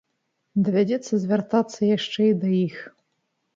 Давядзецца звяртацца яшчэ і да іх.